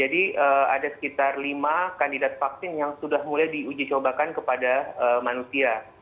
jadi ada sekitar lima kandidat vaksin yang sudah mulai diuji cobakan kepada manusia